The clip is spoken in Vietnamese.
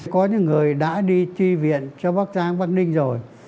có những người đã đi tri viện cho bác giang bác ninh rồi